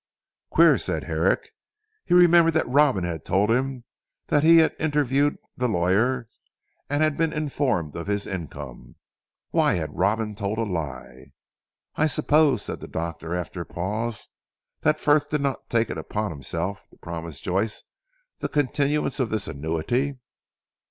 "Queer!" said Herrick. He remembered that Robin had told him that he had interviewed the lawyers and had been informed of his income. Why had Robin told a lie? "I suppose," said the doctor after a pause, "that Frith did not take it upon himself to promise Joyce the continuance of this annuity?"